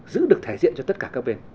giữ được thể diện cho tất cả các bên